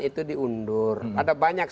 itu diundur ada banyak